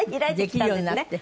できるようになって。